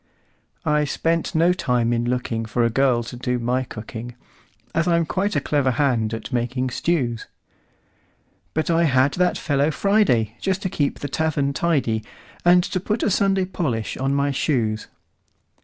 I spent no time in lookingFor a girl to do my cooking, As I'm quite a clever hand at making stews; But I had that fellow Friday, Just to keep the tavern tidy, And to put a Sunday polish on my shoes.